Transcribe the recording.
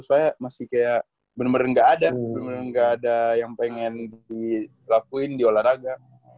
soalnya masih kayak bener bener ga ada yang pengen dilakuin di olahraga